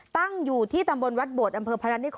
ยังไงดี